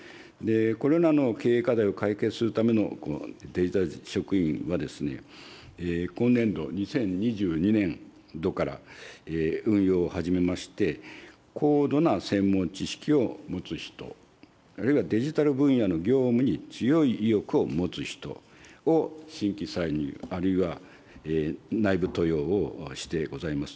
これらの経営課題を解決するためのデジタル職員は、今年度・２０２２年度から運用を始めまして、高度な専門知識を持つ人、あるいはデジタル分野の業務に強い意欲を持つ人を新規採用、あるいは内部登用をしてございます。